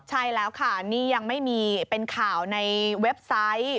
ใช่แล้วค่ะนี่ยังไม่มีเป็นข่าวในเว็บไซต์